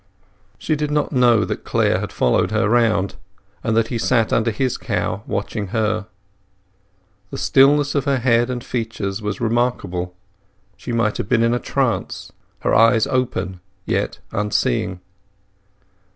She did not know that Clare had followed her round, and that he sat under his cow watching her. The stillness of her head and features was remarkable: she might have been in a trance, her eyes open, yet unseeing.